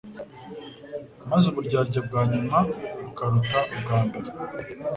Maze uburyarya bwa nyuma bukaruta ubwa mbere.